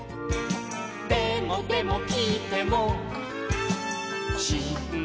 「でもでもきいてもしんじない」